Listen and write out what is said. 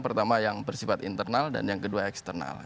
pertama yang bersifat internal dan yang kedua eksternal